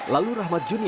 lalu rahmat junior